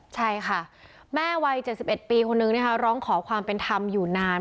ใช่ค่ะแม่วัย๗๑ปีคนนึงนะคะร้องขอความเป็นธรรมอยู่นาน